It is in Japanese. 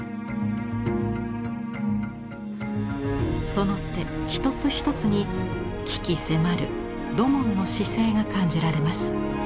その手一つ一つに鬼気迫る土門の姿勢が感じられます。